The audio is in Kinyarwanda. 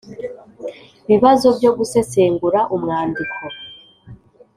bibazo byo gusesengura umwandiko.